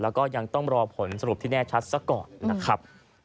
แล้วก็ยังต้องรอผลสรุปที่แน่ชัดซะก่อนนะครับ